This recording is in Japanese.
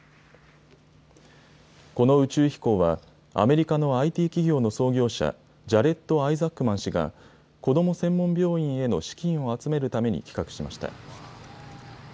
この宇宙飛行は、アメリカのＩＴ企業の創業者、ジャレッド・アイザックマン氏が、子ども専門病院への資金を集めるために企画しました。